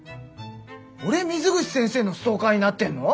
俺水口先生のストーカーになってんの？